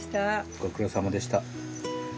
ご苦労さまでした。